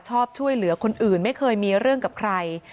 ชอบช่วยเหลือคนอื่นไม่เคยมีเรื่องกับใคร